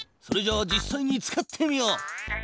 それじゃあ実さいに使ってみよう。